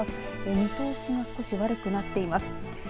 見通しが少し悪くなっています。